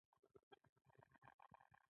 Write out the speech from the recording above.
په ټوله نړۍ کې کارول شوې ده.